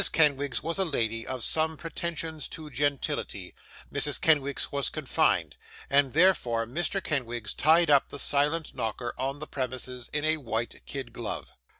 Kenwigs was a lady of some pretensions to gentility; Mrs Kenwigs was confined. And, therefore, Mr. Kenwigs tied up the silent knocker on the premises in a white kid glove.